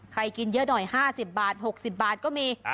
กินเยอะหน่อย๕๐บาท๖๐บาทก็มี